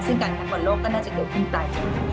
ซึ่งการคัดบอลโลกก็น่าจะเกิดขึ้นไป